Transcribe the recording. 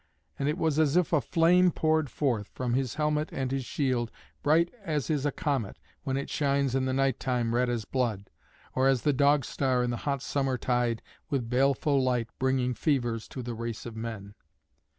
And it was as if a flame poured forth, from his helmet and his shield, bright as is a comet when it shines in the night time red as blood, or as the Dog Star in the hot summer tide with baleful light bringing fevers to the race of men.